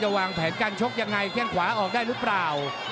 ว่าจะวางแผนการชกยังไงเคลื่อนขวาออกได้หรือเปล่า